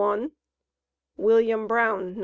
1), William Brown (No.